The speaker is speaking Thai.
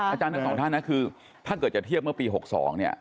อาจารย์ทั้งสองท่านนะคือถ้าเกิดจะเทียบเมื่อปี๖๒เนี่ย